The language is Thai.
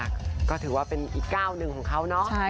ก็ถือว่าเป็นอีกก้าวหนึ่งของเขาเนาะ